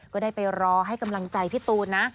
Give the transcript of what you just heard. ก็ได้ไปรอให้กำลังใจพี่ตูนนะ